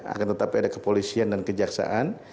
akan tetapi ada kepolisian dan kejaksaan